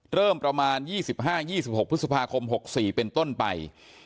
เริ่มประมาณ๒๕๒๖พฤษภาคม๖๔เป็นต้นไป